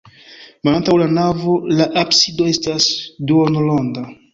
Malantaŭ la navo la absido estas duonronda.